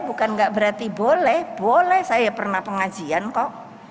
bukan nggak berarti boleh boleh saya pernah pengajian kok